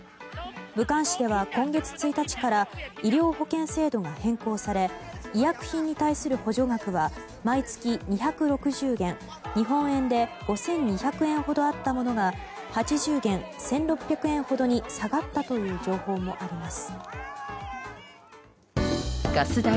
武漢市では今月１日から医療保険制度が変更され医薬品に対する補助額は毎月２６０元日本円で５２００円ほどあったものが８０元＝１６００円ほどに下がったという情報もあります。